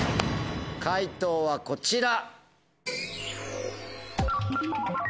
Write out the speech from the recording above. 解答はこちら。